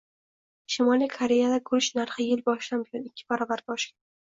Shimoliy Koreyada guruch narxi yil boshidan buyon ikki baravarga oshgan